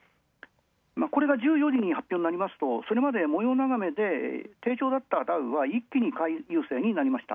これが１４時に発表になりますとそれまでななめで低調だったダウは一気に買い優勢に。